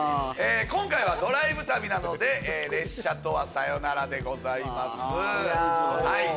今回はドライブ旅なので列車とはさよならでございます。